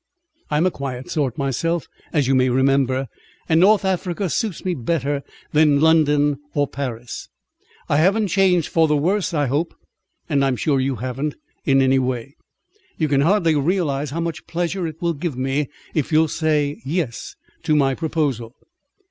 I'm a quiet sort myself, as you may remember, and North Africa suits me better than London or Paris. I haven't changed for the worse I hope, and I'm sure you haven't, in any way. "You can hardly realize how much pleasure it will give me if you'll say 'yes' to my proposal.